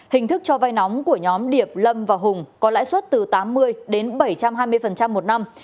hình thức cho vai nóng của nhóm điệp lâm và hùng có lãi suất từ tám mươi đến bảy trăm hai mươi một năm